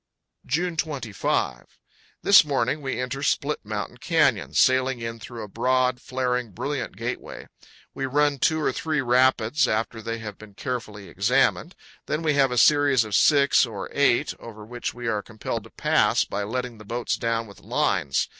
June 25. This morning we enter Split Mountain Canyon, sailing in through a broad, flaring, brilliant gateway. We run two or three rapids, after they have been carefully examined. Then we have a series of six or eight, over which we are compelled to pass by letting the boats down with lines.